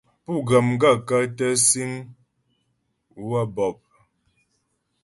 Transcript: Pú ghə́ m gaə̂kə́ tə síŋ waə̂ bɔ̂p ?